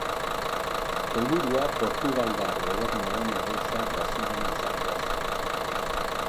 Helburua Portugaldar Gobernuaren egoitza Brasilen izatea zen.